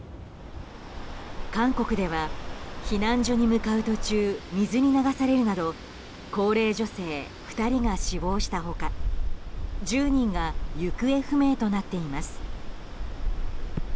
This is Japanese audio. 韓国では避難所に向かう途中水に流されるなど高齢女性２人が死亡した他１０人が行方不明となっています。